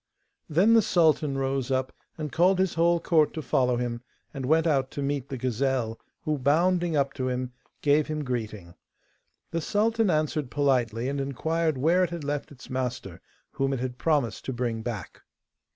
Then the sultan rose up, and called his whole court to follow him, and went out to meet the gazelle, who, bounding up to him, gave him greeting. The sultan answered politely, and inquired where it had left its master, whom it had promised to bring back.